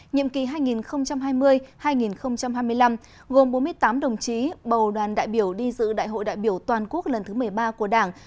nhiệm kỳ hai nghìn hai mươi hai nghìn hai mươi năm gồm bốn mươi tám đồng chí bầu đoàn đại biểu đi dự đại hội đại biểu toàn quốc lần thứ một mươi ba của đảng